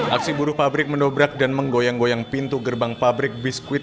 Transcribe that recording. aksi buruh pabrik mendobrak dan menggoyang goyang pintu gerbang pabrik biskuit